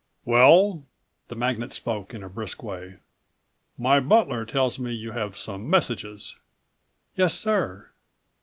"Well?" the magnate spoke in a brisk way. "My butler tells me you have some messages." "Yes, sir."